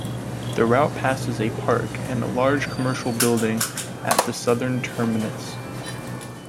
The route passes a park and large commercial building at the southern terminus.